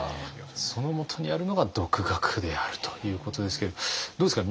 そのもとにあるのが独学であるということですけれどもどうですか？